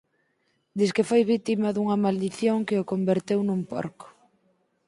Disque foi vítima dunha maldición que o converteu nun porco.